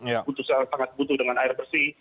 yang sangat butuh dengan air pusti